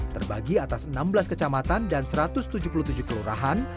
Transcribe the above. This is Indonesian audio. terbagi atas enam belas kecamatan dan satu ratus tujuh puluh tujuh kelurahan